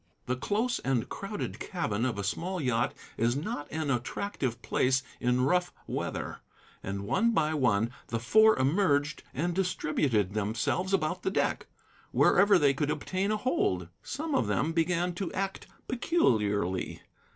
The close and crowded cabin of a small yacht is not an attractive place in rough weather; and one by one the Four emerged and distributed themselves about the deck, wherever they could obtain a hold. Some of them began to act peculiarly.